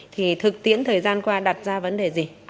thì thực tiễn thời gian qua đặt ra vấn đề gì